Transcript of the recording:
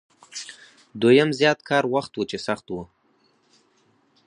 دویم د زیات کار وخت و چې سخت و.